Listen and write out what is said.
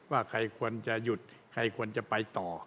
ว่าใครควรจะหยุดใครควรจะไปต่อ